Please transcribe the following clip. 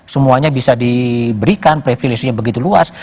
semuanya bisa diberikan previlisinya begitu luas